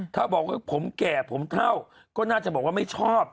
ถ้าบอกว่าผมแก่ผมเท่าก็น่าจะบอกว่าไม่ชอบ